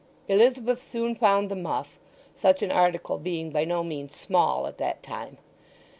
Elizabeth soon found the muff, such an article being by no means small at that time.